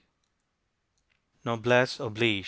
NOBLESSE OBLIGE.